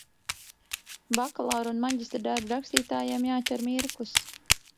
Bakalaura un maģistra darbu rakstītājiem jāķer mirklis.